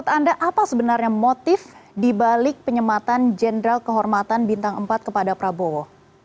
menurut anda apa sebenarnya motif dibalik penyematan jenderal kehormatan bintang empat kepada prabowo